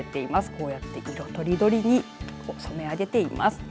こうやって色とりどりに染めあげています。